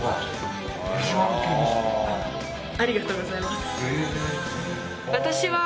ありがとうございます。